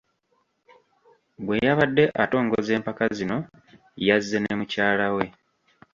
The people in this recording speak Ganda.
Bwe yabadde atongoza empaka zino, yazze ne mukyala we.